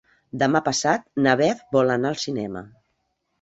Demà passat na Beth vol anar al cinema.